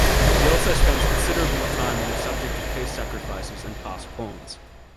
He also spends considerable time on the subject of piece sacrifices and passed pawns.